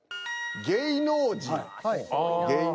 「芸能人」。